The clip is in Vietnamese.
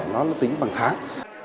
nó tính bằng tháng